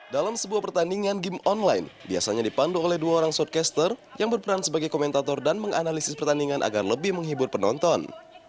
dalam sebuah pertandingan game online biasanya dipandu oleh dua orang shortcaster yang berperan sebagai komentator dan menganalisis pertandingan agar lebih menghibur penonton